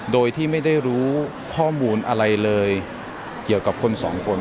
โดยที่ไม่ได้รู้ข้อมูลอะไรเลยเกี่ยวกับคนสองคน